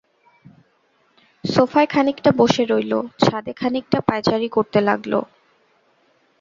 সোফায় খানিকটা বসে রইল, ছাদে খানিকটা পায়চারি করতে লাগল।